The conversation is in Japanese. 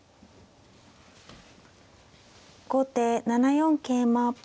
後手７四桂馬。